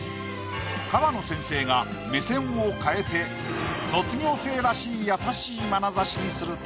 河野先生が目線を変えて卒業生らしい優しいまなざしにすると。